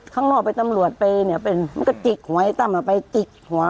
ข้างนอกไปตำรวจไปเนี่ยเป็นมันก็จิกหวยตั้มเอาไปจิกหัว